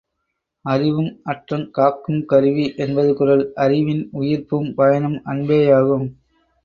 அறிவு அற்றங் காக்கும் கருவி என்பது குறள், அறிவின் உயிர்ப்பும் பயனும் அன்பேயாகும்.